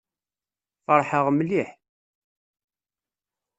Feṛḥeɣ mliḥ.